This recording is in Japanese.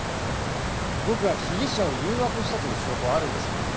僕が被疑者を誘惑したという証拠はあるんですか？